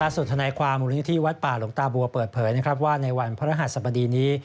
สุดท้ายความมูลนิธิวัดป่าหลงตาบัวเปิดเผยนะครับว่าในวันพระหัสสมดีนี้